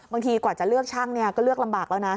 บางทีกว่าจะเลือกช่างเนี่ยก็เลือกลำบากแล้วนะ